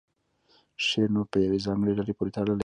شعر نور په یوې ځانګړې ډلې پورې تړلی نه و